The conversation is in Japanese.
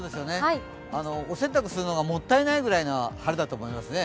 お洗濯するのがもったいないぐらいの晴れだと思いますね。